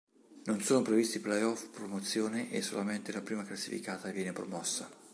Non sono previsti play-off promozione e solamente la prima classificata viene promossa.